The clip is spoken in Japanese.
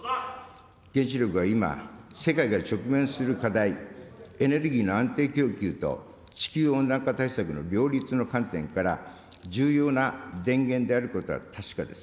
原子力は今、世界が直面する課題、エネルギーの安定供給と、地球温暖化対策の両立の観点から、重要な電源であることは確かです。